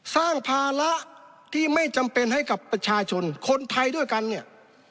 ภาระที่ไม่จำเป็นให้กับประชาชนคนไทยด้วยกันเนี่ย